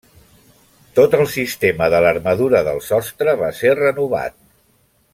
Tot el sistema de l'armadura del sostre va ser renovat.